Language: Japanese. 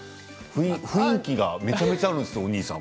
雰囲気が、めちゃめちゃあるんですね、お兄さん。